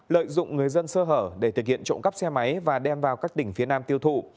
lợi dụng người dân sơ hở để thực hiện trộm cắp xe máy và đem vào các tỉnh phía nam tiêu thụ